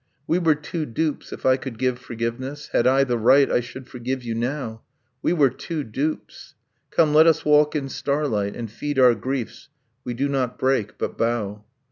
We were two dupes; if I could give forgiveness, Had I the right, I should forgive you now ... We were two dupes ... Come, let us walk in starlight, And feed our griefs: we do not break, but bow.